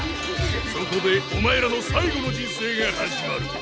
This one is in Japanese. そこでお前らの最後の人生が始まる！